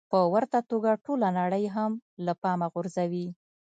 په ورته توګه ټوله نړۍ هم له پامه غورځوي.